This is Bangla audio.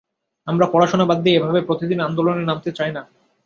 আমরা পড়াশোনা বাদ দিয়ে এভাবে প্রতিদিন আন্দোলনে নামতে চাই না।